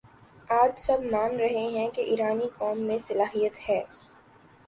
آج سب مان رہے ہیں کہ ایرانی قوم میں صلاحیت ہے